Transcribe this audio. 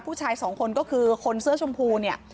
ผู้ชายสองคนก็คือคนเสื้อชมพูเนี่ย